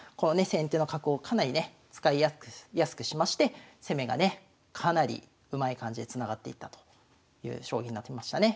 先手の角をかなりね使いやすくしまして攻めがねかなりうまい感じでつながっていったという将棋になってましたね。